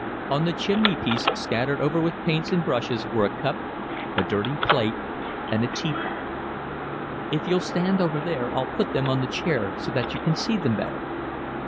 On the chimney piece, scattered over with paints and brushes, were a cup, a dirty plate, and a tea pot. "If you'll stand over there I'll put them on the chair so that you can see them better."